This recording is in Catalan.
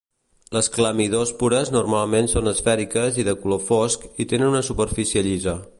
Les clamidòspores normalment són esfèriques i de color fosc i tenen una superfície llisa.